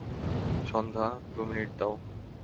সন্ধ্যা, দু মিনিট দাও।